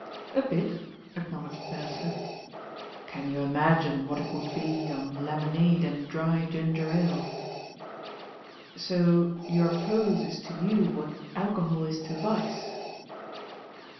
"A bit," acknowledged Beresford. "Can you Imagine what it would be on lemonade and dry ginger ale?" "So your pose Is to you what alcohol is to vice?'